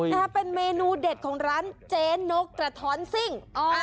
นะฮะเป็นเมนูเด็ดของร้านเจ๊นกกระท้อนซิ่ง